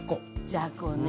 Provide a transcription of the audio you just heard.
じゃこね。